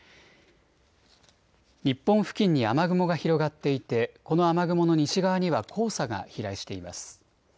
日本付近に雨雲が広がっていてこの雨雲の西側には黄砂が飛来しています。